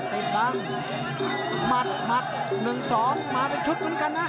เต็มบังหมัดหมัด๑๒มาเป็นชุดเหมือนกันนะ